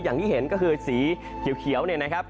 อย่างที่เห็นก็คือสีเขียวเนี่ยนะครับ